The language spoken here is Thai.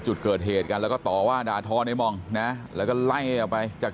จุดเกิดเหตุกันแล้วก็ต่อว่าด่าทอในมองนะแล้วก็ไล่ออกไปจาก